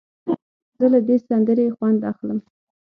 زه له دې سندرې خوند اخلم.